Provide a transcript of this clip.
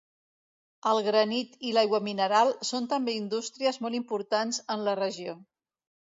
El granit i l'aigua mineral són també indústries molt importants en la regió.